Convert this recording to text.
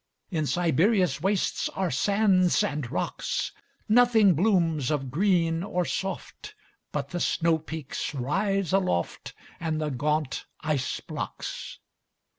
In Siberia's wastesAre sands and rocks. Nothing blooms of green or soft, But the snowpeaks rise aloftAnd the gaunt ice blocks.